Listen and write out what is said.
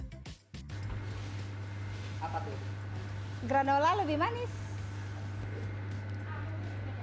granula lebih manis